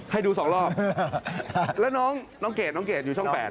ให้ดู๒รอบแล้วน้องเกดอยู่ช่อง๘